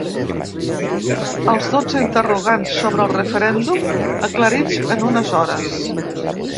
Els dotze interrogants sobre el referèndum, aclarits en unes hores.